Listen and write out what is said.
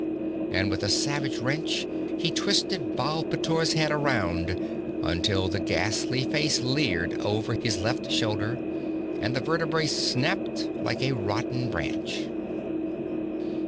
And with a savage wrench he twisted Baal pteor's head around until the ghastly face leered over the left shoulder, and the vertebrae snapped like a rotten branch.